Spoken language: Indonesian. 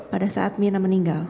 pada saat mirna meninggal